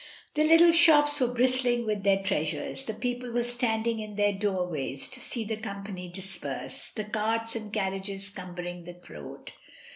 The little shops were bristling with their trea sures, the people were standing in their doorways to see the company disperse, the carts and carriages cumbering the road.